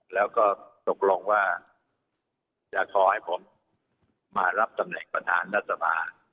แล้วก็ตกลงว่าจะขอให้ผมมารับตำแหน่งประธานรัฐสภา